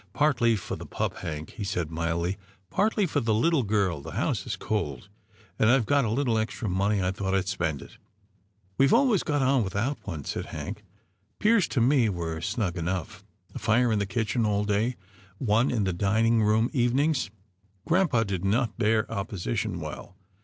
" Partly for the pup, Hank," he said mildly, " partly for the little girl. The house is cold, and Pve got a little extra money. I thought I'd spend it." " We've always got on without one," said Hank. " 'Pears to me we're snug enough. A fire in the kitchen all day, one in the dining room evenings —" Grampa did not bear opposition well.